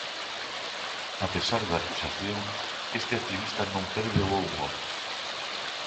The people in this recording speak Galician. A pesar da acusación, este activista non perde o bo humor.